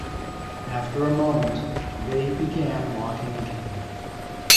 After a moment they began walking again.